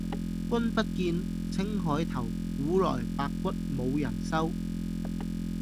君不見，青海頭，古來白骨無人收。